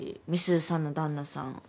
美鈴さんの旦那さん。